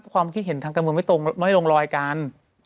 ความคิดเห็นทางการเมืองไม่ตรงไม่ลงรอยกัน